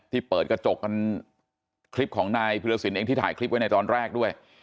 เปิดกระจกกันคลิปของนายพิรสินเองที่ถ่ายคลิปไว้ในตอนแรกด้วย